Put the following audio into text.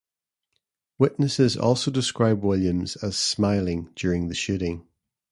Witnesses also describe Williams as "smiling" during the shooting.